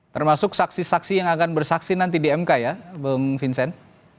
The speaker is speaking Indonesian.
termasuk saksi saksi yang akan bersaksi nanti di mk ya bung vincent